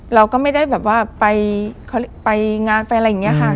เราก็ไม่ได้แบบว่าไปงานไปอะไรอย่างนี้ค่ะ